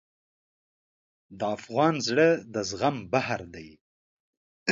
د افغان زړه د زغم بحر دی.